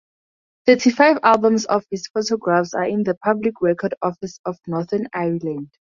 Thirty-five albums of his photographs are in the Public Record Office of Northern Ireland.